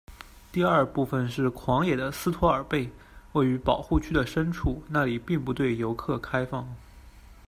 第二部分是“狂野的斯托尔贝”位于保护区的深处，那里并不对游客开放。